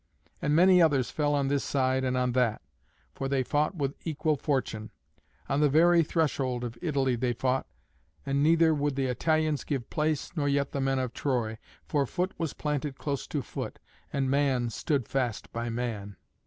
And many others fell on this side and on that, for they fought with equal fortune. On the very threshold of Italy they fought, and neither would the Italians give place nor yet the men of Troy, for foot was planted close to foot, and man stood fast by man.